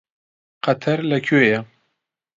قەتەر لەکوێیە؟